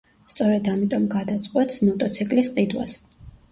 სწორედ ამიტომ გადაწყვეტს მოტოციკლის ყიდვას.